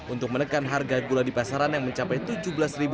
untuk menekan harga gula di pasaran yang mencapai rp tujuh belas